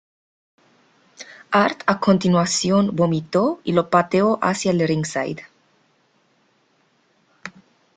Hart a continuación vomitó, y lo pateó hacia el ringside.